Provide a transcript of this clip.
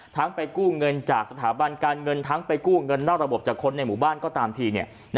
ไปกู้เงินจากสถาบันการเงินทั้งไปกู้เงินนอกระบบจากคนในหมู่บ้านก็ตามที